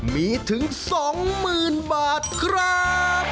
มีถึง๒๐๐๐บาทครับ